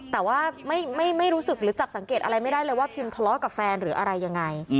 แต่ว่าไม่รู้สึกหรือจับสังเกตอะไรไม่ได้เลยว่าพิมทะเลาะกับแฟนหรืออะไรยังไง